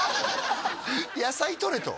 野菜とれと？